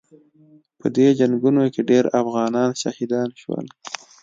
په دې جنګونو کې ډېر افغانان شهیدان شول.